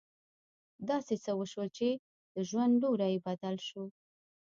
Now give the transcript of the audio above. داسې څه وشول چې د ژوند لوری يې بدل شو.